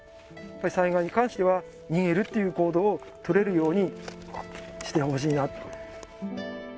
災害に関しては逃げるっていう行動を取れるようにしてほしいな